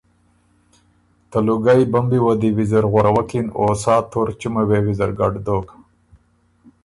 ته لوګئ بمبی وه دی ویزر غؤروکِن او سا تور چمه ویزر ګډ دوک